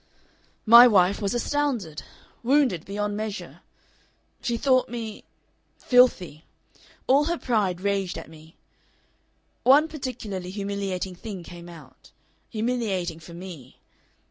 "My wife was astounded wounded beyond measure. She thought me filthy. All her pride raged at me. One particularly humiliating thing came out humiliating for me.